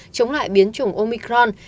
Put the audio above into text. chống lại biến chủng omicron